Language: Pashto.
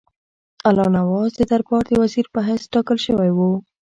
الله نواز د دربار د وزیر په حیث ټاکل شوی وو.